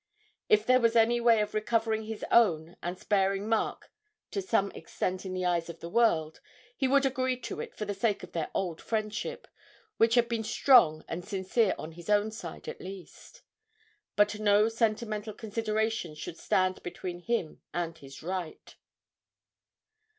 If there was any way of recovering his own and sparing Mark to some extent in the eyes of the world, he would agree to it for the sake of their old friendship, which had been strong and sincere on his own side at least; but no sentimental considerations should stand between him and his right.